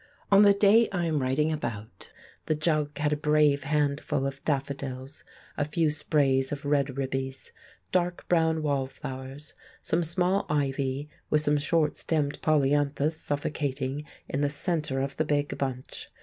On the day I am writing about, the jug had a brave handful of daffodils, a few sprays of red ribis, dark brown wallflowers, some small ivy, with some short stemmed polyanthus suffocating in the centre of the big bunch.